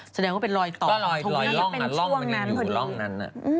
เสดงว่าก็เป็นรอยตอบตรงไหนถึงช่วงนั้น